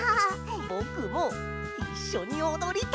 ぼくもいっしょにおどりたい！